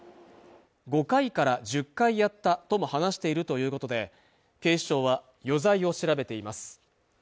５回から１０回やったとも話しているということで警視庁は余罪を調べています